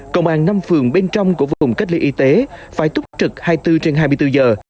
công an năm phường bên trong của vùng cách ly y tế phải túc trực hai mươi bốn trên hai mươi bốn giờ